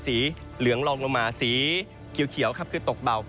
สีเหลืองลองลงมาสีเขียวครับคือตกเบา